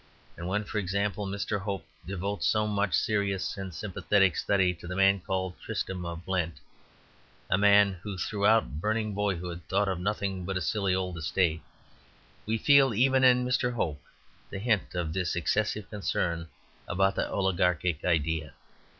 And when, for example, Mr. Hope devotes so much serious and sympathetic study to the man called Tristram of Blent, a man who throughout burning boyhood thought of nothing but a silly old estate, we feel even in Mr. Hope the hint of this excessive concern about the oligarchic idea.